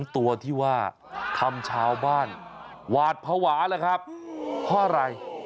๒ตัวที่คำชาวบ้านหวาดพระหวาเพราะอะไร